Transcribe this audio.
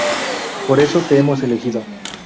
Por eso, te hemos elegido.